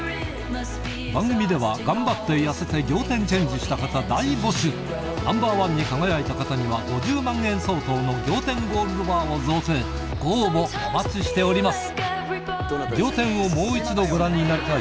番組では頑張って痩せてナンバーワンに輝いた方には５０万円相当の仰天ゴールドバーを贈呈ご応募お待ちしております